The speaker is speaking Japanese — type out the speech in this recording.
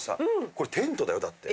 これテントだよだって。